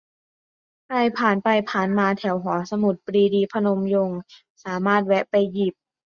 ใครผ่านไปผ่านมาแถวหอสมุดปรีดี พนมยงค์ สามารถแวะไปหยิบ